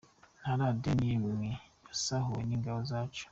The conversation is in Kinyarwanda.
Nta radio n’imwe yasahuwe n’ingabo zacu.